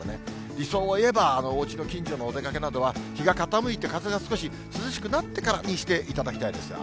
理想をいえば、おうちの近所のお出かけなどは、日が傾いて、風が少し涼しくなってからにしていただきたいですが。